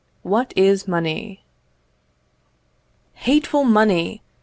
What Is Money? "Hateful money!